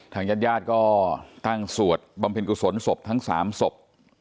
ญาติญาติก็ตั้งสวดบำเพ็ญกุศลศพทั้ง๓ศพ